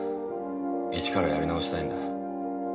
一からやり直したいんだ。